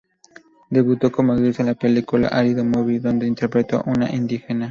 Debutó como actriz en la película "Árido Movie", donde interpretó a una indígena.